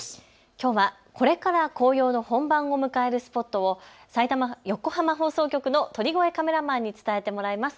きょうはこれから紅葉の本番を迎えるスポットを横浜放送局の鳥越カメラマンに伝えてもらいます。